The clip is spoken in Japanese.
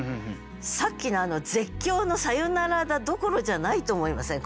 さっきの「絶叫のサヨナラ打」どころじゃないと思いません？